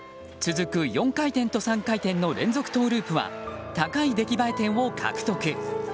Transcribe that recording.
続く４回転と３回転の連続トウループは高い出来栄え点を獲得。